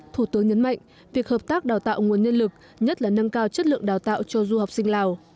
thủ tướng nhấn mạnh việc hợp tác đào tạo nguồn nhân lực nhất là nâng cao chất lượng đào tạo cho du học sinh lào